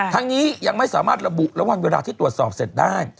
ยังไม่สามารถระบุและวันเวลาที่ตรวจสอบเสร็จได้